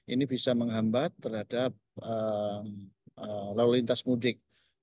ini bisa menghambat terhadap lalu lintas mudik